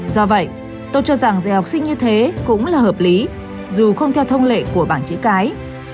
do vậy tôi cho rằng dạy học sinh như thế cũng là hợp lý dù không theo thông lệ của bảng chữ cái